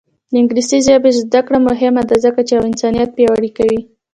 د انګلیسي ژبې زده کړه مهمه ده ځکه چې انسانیت پیاوړی کوي.